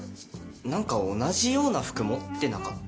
何か同じような服持ってなかった？